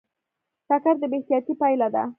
ټکر د بې احتیاطۍ پایله ده.